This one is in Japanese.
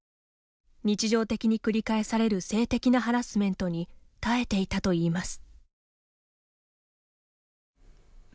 日常的に繰り返される性的なハラスメントに耐えていたといいます。